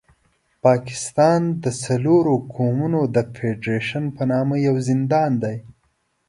پاکستان د څلورو قومونو د فېډرېشن په نامه یو زندان دی.